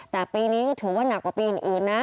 แต่ปีนี้ก็ถือว่านักกว่าปีอื่นนะ